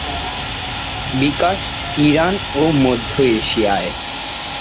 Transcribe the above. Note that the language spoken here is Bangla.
বিকাশ ইরান ও মধ্য এশিয়ায়।